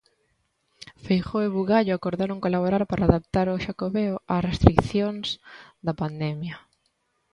Feijóo e Bugallo acordaron colaborar para adaptar o Xacobeo ás restricións da pandemia.